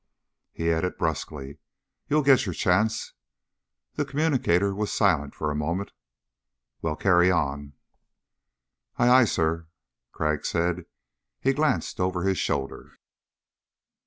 He added brusquely, "You'll get your chance." The communicator was silent for a moment. "Well, carry on." "Aye, aye, Sir," Crag said. He glanced over his shoulder.